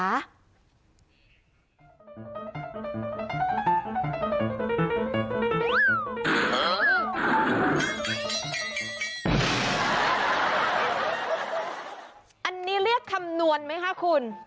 อันนี้เรียกคำนวณไหมคะคุณ